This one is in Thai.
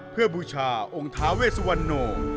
เพื่อบูชาองค์ท้าเวสวรรค์โหน่ง